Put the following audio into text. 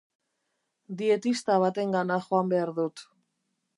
Dietista batengana joan behar dut.